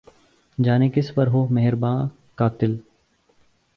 جانے کس پر ہو مہرباں قاتل